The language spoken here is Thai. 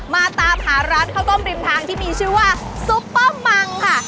มาตามหาร้านข้าวต้มริมทางที่มีชื่อว่าซุปเปอร์มังค่ะ